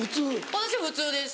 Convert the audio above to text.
私は普通です